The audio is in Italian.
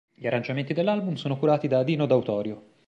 Gli arrangiamenti dell'album sono curati da Dino D'Autorio.